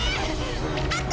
あった！